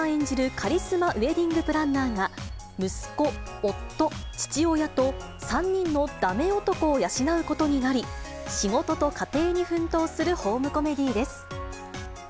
カリスマウエディングプランナーが、息子、夫、父親と３人のだめ男を養うことになり、仕事と家庭に奮闘するホームコメディーです。